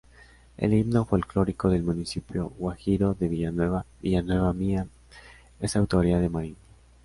El himno folclórico del municipio guajiro de Villanueva, "Villanueva mía", es autoría de Marín.